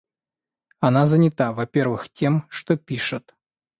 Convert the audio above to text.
Она занята, во-первых, тем, что пишет.